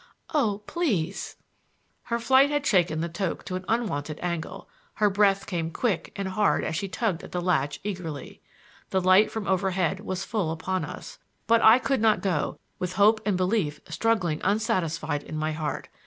"Oh, please—!" Her flight had shaken the toque to an unwonted angle; her breath came quick and hard as she tugged at the latch eagerly. The light from overhead was full upon us, but I could not go with hope and belief struggling unsatisfied in my heart.